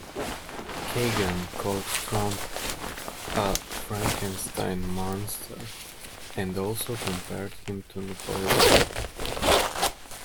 Kagan called Trump a "Frankenstein monster" and also compared him to Napoleon.